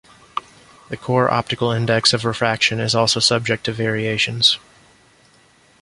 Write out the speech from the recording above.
The core optical index of refraction is also subject to variations.